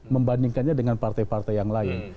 membandingkannya dengan partai partai yang lain